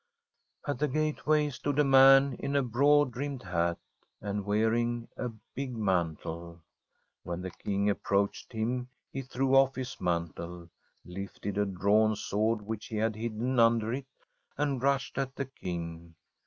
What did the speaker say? At the gateway stood a man in a broad brimmed hat, and wearing a big mantle. When the King approached him he threw oflf his mantle, lifted a drawn sword, which he had hid den under it, and rushed at the King.